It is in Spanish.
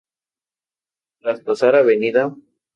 Tras pasar Av.